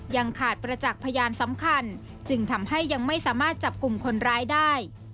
ยังขาดประจักษ์พยานสำคัญจึงทำให้ยังไม่สามารถจับกลุ่มคนร้ายได้